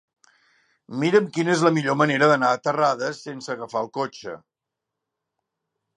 Mira'm quina és la millor manera d'anar a Terrades sense agafar el cotxe.